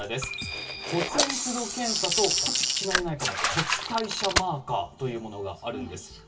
骨密度検査と、聞き慣れないかも骨代謝マーカーというものがあるんです。